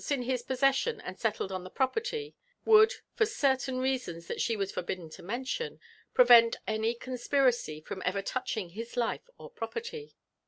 IM if HMe in bto poisessfon and leltled on the property, would, for oeiliiia teasons that she was forbidden to mention, preirenl any oonapiraoy from ever touching his life or property.